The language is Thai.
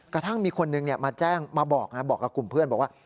กระทั่งมีคนนึงมาแจ้งมาบอกบอกกับกลุ่มเพื่อนบอกว่า